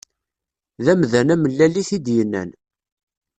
D amdan amellal i t-id-yennan.